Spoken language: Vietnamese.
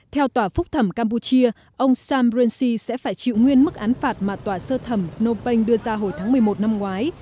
theo tòa phúc thẩm campuchia ông sam rensi sẽ phải chịu nguyên mức án phạt mà tòa sơ thẩm nộp banh đưa ra hồi tháng một mươi một năm ngoái